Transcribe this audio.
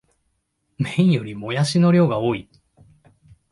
麺よりもやしの量が多い